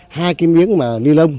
hai cái miếng mà ni lông